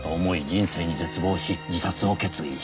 人生に絶望し自殺を決意した。